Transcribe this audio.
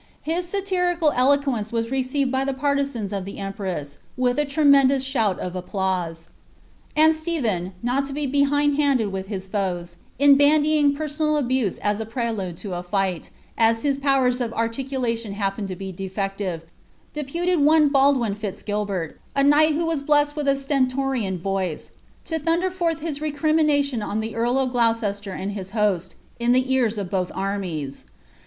His sutirical eloquence was received by the partisans of the emprsM with a tremendous shoui of applause; and Stephen, not to be behind hand with his foes in bandying personal abuse as a prelude tn the fight as liis own powers of articulation happened to be defective, deputed oar Baldwin Fitz ^ilhert, a knight who was blessed with a Sientoriiin rnifc, to thunder forth his recrimination on the earl of Gloucester and his host, in the ear* of both armies.